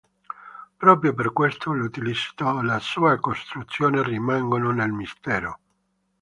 Proprio per questo, l'utilizzo e la sua costruzione rimangono nel mistero.